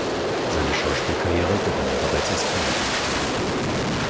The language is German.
Seine Schauspielkarriere begann er bereits als Kinderdarsteller.